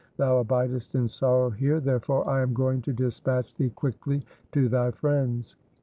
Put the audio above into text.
Thou abidest in sorrow here, therefore I am going to dispatch thee quickly to thy friends.'